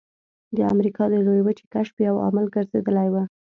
د امریکا د لویې وچې کشف یو عامل ګرځېدلی و.